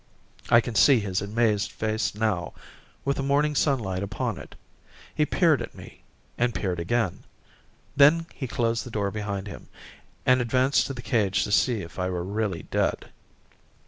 I can see his amazed face now, with the morning sunlight upon it. He peered at me, and peered again. Then he closed the door behind him, and advanced to the cage to see if I were really dead.